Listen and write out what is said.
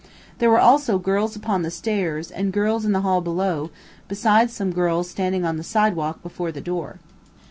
There were also girls upon the stairs, and girls in the hall below, besides some girls standing on the sidewalk before the door.